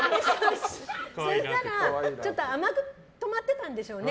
そしたらちょっと甘く留まってたんでしょうね。